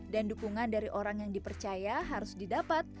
dan dukungan dari orang yang dipercaya harus didapat